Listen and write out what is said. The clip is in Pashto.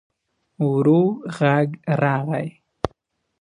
ورو غږ راغی.